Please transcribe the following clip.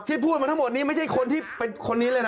พูดมาทั้งหมดนี้ไม่ใช่คนที่เป็นคนนี้เลยนะ